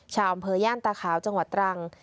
ชาวอำเภอย่านตาขาวจังหวัดตรัง